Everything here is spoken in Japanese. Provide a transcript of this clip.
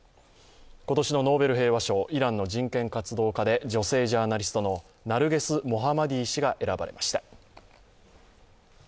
今年のノーベル平和賞、イランの人権活動家で女性ジャーナリストのとナルゲス・モハマディ氏が選ばれました。